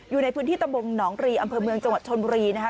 อยู่ในพื้นที่ตำบลหนองรีอำเภอเมืองจังหวัดชนบุรีนะคะ